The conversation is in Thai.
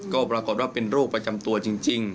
ก็ปรากฏว่าเป็นโรคประจำตัวจริง